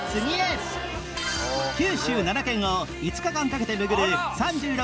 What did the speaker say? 九州７県を５日間かけて巡る３６